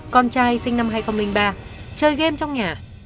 con trai sinh năm hai nghìn ba chơi game trong nhà